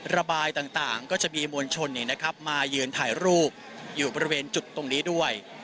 ระบายต่างก็จะมีมวลชนมายืนถ่ายรูปอยู่บริเวณจุดตรงนี้ด้วย